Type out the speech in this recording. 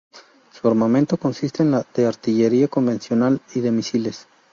Su armamento consiste de artillería convencional y de misiles.